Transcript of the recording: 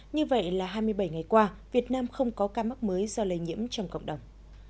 như vậy là hai mươi bảy ngày qua việt nam không có ca mắc mới do lây nhiễm trong cộng đồng